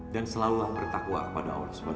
dan selalu bertakwa kepada allah swt